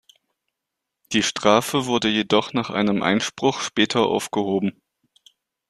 Die Strafe wurde jedoch nach einem Einspruch später aufgehoben.